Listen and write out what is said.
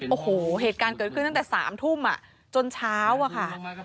โอ้โหเหตุการณ์เกิดขึ้นตั้งแต่๓ทุ่มจนเช้าอะค่ะ